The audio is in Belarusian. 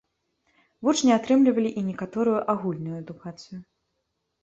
Вучні атрымлівалі і некаторую агульную адукацыю.